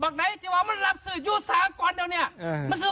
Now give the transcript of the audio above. แบบนี้ที่ว้าวมาเป็นลรปศึกอยู่แซลกวันนี้